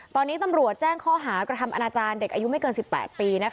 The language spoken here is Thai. ตอนนี้ตำรวจแจ้งข้อหากระทำอนาจารย์เด็กอายุไม่เกิน๑๘ปี